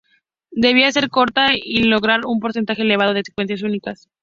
Debía ser corta y lograr un porcentaje elevado de secuencias únicas.